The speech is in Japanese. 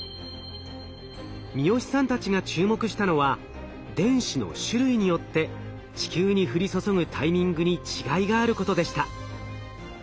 三好さんたちが注目したのは電子の種類によって地球に降り注ぐタイミングに違いがあることでした。